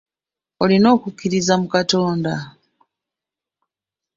Olina okukkiriza mu Katonda?